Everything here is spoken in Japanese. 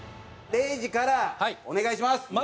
礼二からお願いします。